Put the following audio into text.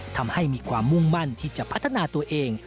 ทำให้มีความมุ่งมั่นที่จะพัฒนาตัวเอง